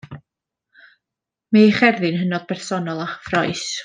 Mae ei cherddi'n hynod bersonol a chyffrous.